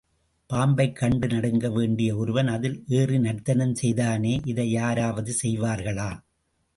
பாம்பைக் கண்டு நடுங்க வேண்டிய ஒருவன் அதில் ஏறி நர்த்தனம் செய்தானே இதை யாராவது செய்வார்களா?